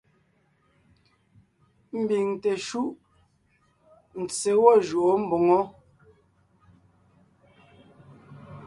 Ḿbiŋ teshúʼ, ntse gwɔ́ jʉʼó mboŋó.